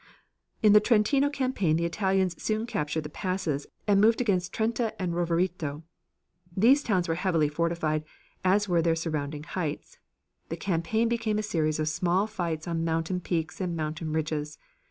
In the Trentino campaign the Italians soon captured the passes, and moved against Trente and Roverito. These towns were heavily fortified, as were their surrounding heights. The campaign became a series of small fights on mountain peaks and mountain ridges.